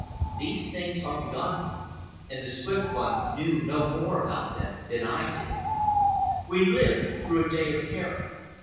These things are beyond me, and the Swift One knew no more about them than did I. We lived through a day of terror.